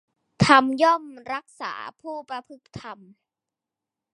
ธรรมย่อมรักษาผู้ประพฤติธรรม